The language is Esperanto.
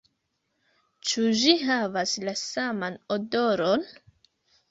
Ĉu ĝi havas la saman odoron?